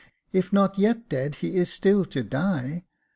If not yet dead, he is still to die.